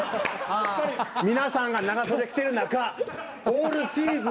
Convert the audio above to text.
皆さんが長袖着てる中オールシーズン